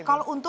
nah kalau untuk